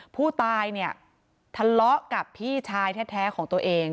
ผู้ตายเนี่ยทะเลาะกับพี่ชายแท้ของตัวเอง